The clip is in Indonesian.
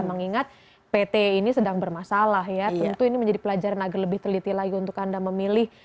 mengingat pt ini sedang bermasalah ya tentu ini menjadi pelajaran agar lebih teliti lagi untuk anda memilih